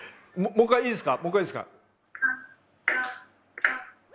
もう一回いいですか？